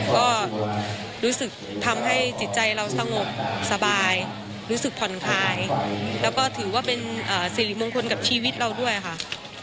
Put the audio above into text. ก็รู้สึกทำให้จิตใจเราสงบสบายรู้สึกผ่อนคลายแล้วก็ถือว่าเป็นสิริมงคลกับชีวิตเราด้วยค่ะ